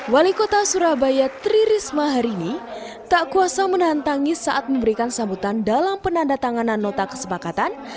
wali kota surabaya tri risma hari ini tak kuasa menantangis saat memberikan sambutan dalam penandatanganan nota kesepakatan